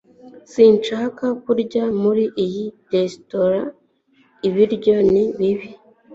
sinshaka kurya muri iyo resitora. ibiryo ni bibi